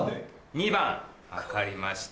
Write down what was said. ２番分かりました。